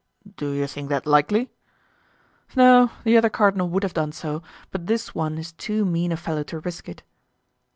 "Do you think that likely?" "No, the other cardinal would have done so, but this one is too mean a fellow to risk it."